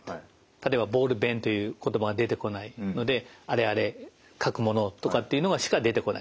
例えば「ボールペン」という言葉が出てこないので「あれあれ書くものを」とかっていうのがしか出てこない。